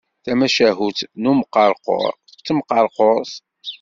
Tamacahut n umqerqur d temqerqurt.